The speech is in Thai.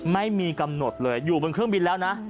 ไม่มีกำหนดเลยอยู่บนเครื่องบินแล้วนะ